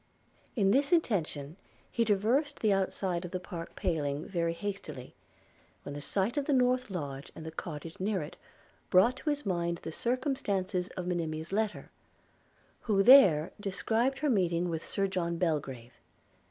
In this intention he traversed the outside of the park paling very hastily, when the sight of the north lodge and the cottage near it, brought to his mind the circumstances of Monimia's letter; who there described her meeting with Sir John Belgrave.